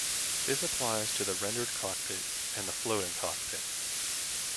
This applies to the rendered cockpit and the floating cockpit.